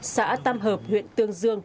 xã tam hợp huyện tương dương